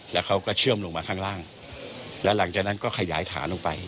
แล้วเขาก็เชื่อมลงมาข้างล่างแล้วหลังจากนั้นก็ขยายฐานลงไป